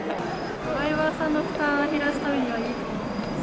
ドライバーさんの負担を減らすためにはいいと思います。